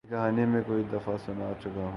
یہ کہانی میں کئی دفعہ سنا چکا ہوں۔